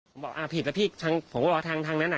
ปูปว่าอ่าผิดแล้วพี่ทั้งทั้งนั้นอ่ะ